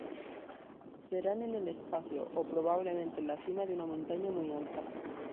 Serán en el espacio, o probablemente en la cima de una montaña muy alta.